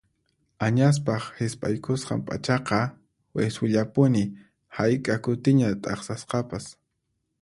Añaspaq hisp'aykusqan p'achaqa wiswillapuni hayk'a kutiña t'aqsasqapas.